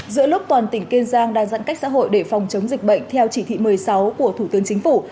giữa lúc toàn tỉnh kiên giang đang giãn cách xã hội để phòng chống dịch bệnh theo chỉ thị một mươi sáu của thủ tướng chính phủ